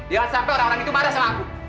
jangan sampai orang orang itu marah sama aku